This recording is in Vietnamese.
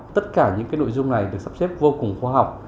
tất cả những nội dung này được sắp xếp vô cùng khoa học